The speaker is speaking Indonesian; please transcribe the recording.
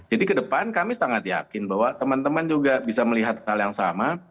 jadi ke depan kami sangat yakin bahwa teman teman juga bisa melihat hal yang sama